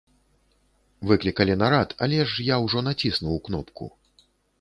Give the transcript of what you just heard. Выклікалі нарад, але ж я ўжо націснуў кнопку.